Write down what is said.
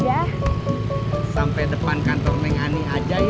jangan ah sampai depan kantor neng ani aja ya